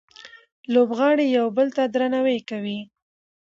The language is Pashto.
لوبغاړي یو بل ته درناوی کوي.